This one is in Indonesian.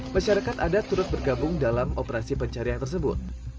masyarakat adat turut bergabung dalam operasi pencarian tersebut